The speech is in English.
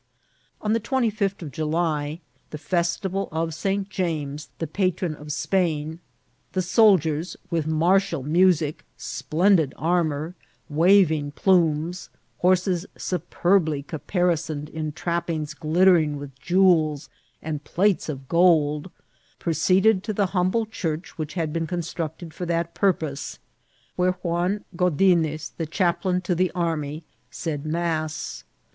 On the twenty fifth of July, the festival of St. James, the patron of Spain, the soldiers, with martial music, splendid armour, waving plumes, horses superbly ca parisoned in trappings glittering with jewels and plates of gold, proceeded to the humble church which had been constructed for that purpose, where Juan Godines, the chaplain to the army, said mass.